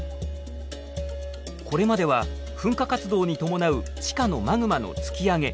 これまでは噴火活動に伴う地下のマグマの突き上げ